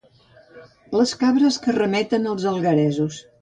Les cabres que remeten als algueresos.